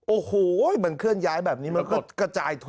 โอ้โหมันเคลื่อนย้ายแบบนี้มันก็กระจายทุน